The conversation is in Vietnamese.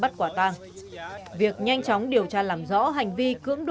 thuộc khóa phòng